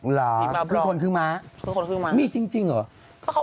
หรอครึ่งคนครึ่งม้ามีจริงเหรอ